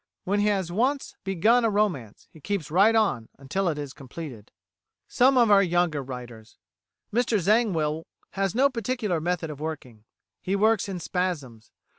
When he has once begun a romance, he keeps right on until it is completed. Some of our Younger Writers Mr Zangwill has no particular method of working; he works in spasms.